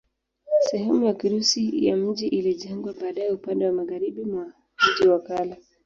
Sehemu ya Kirusi ya mji ilijengwa baadaye upande wa magharibi wa mji wa kale.